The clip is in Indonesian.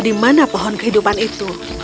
di mana pohon kehidupan itu